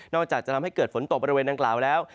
จะทำให้เกิดฝนตกบริเวณดังกล่าวแล้ว